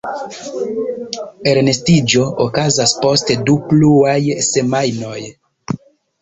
Elnestiĝo okazas post du pluaj semajnoj.